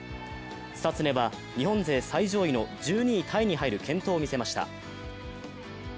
久常は日本勢最上位の１２位タイに入る健闘を見せました。